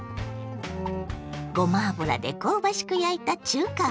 ごま油で香ばしく焼いた中華風ソテー。